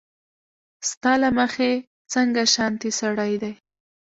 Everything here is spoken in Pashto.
ستا له مخې څنګه شانتې سړی دی